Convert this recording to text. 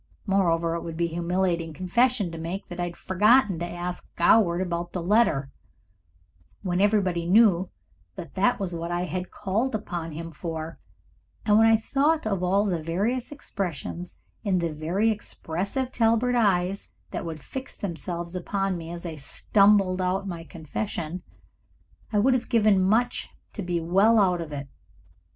Moreover, it would be a humiliating confession to make that I had forgotten to ask Goward about the letter, when everybody knew that that was what I had called upon him for, and when I thought of all the various expressions in the very expressive Talbert eyes that would fix themselves upon me as I mumbled out my confession, I would have given much to be well out of it.